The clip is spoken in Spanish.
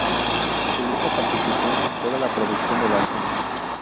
Julieta participó en toda la producción del álbum.